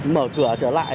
mở cửa trở lại